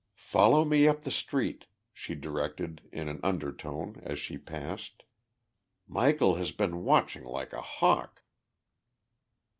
"Follow me up the street," she directed in an undertone as she passed. "Michel has been watching like a hawk."